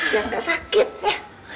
biar gak sakit ya